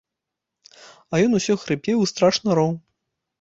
А ён усё хрыпеў і страшна роў.